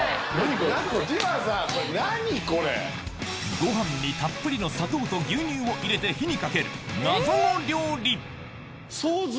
ご飯にたっぷりの砂糖と牛乳を入れて火にかける謎の料理